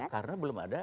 karena belum ada